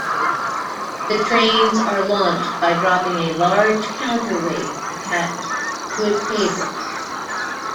The trains are launched by dropping a large counterweight attached to a cable.